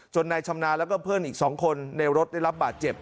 นายชำนาญแล้วก็เพื่อนอีก๒คนในรถได้รับบาดเจ็บ